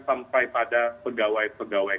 sampai pada pegawai pegawai